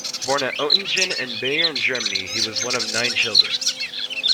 Born at Oettingen in Bayern, Germany, he was one of nine children.